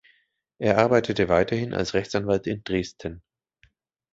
Er arbeitete weiterhin als Rechtsanwalt in Dresden.